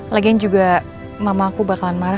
lagian juga mama aku bakalan marah